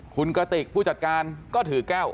คุณกระติกผู้จัดการก็ถือแก้ว